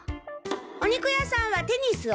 お肉屋さんはテニスを！